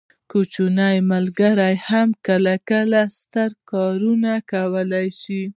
کوچني ملګري هم کله کله ستر کارونه کولی شي.